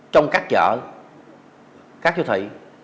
trong các chợ các chủ thị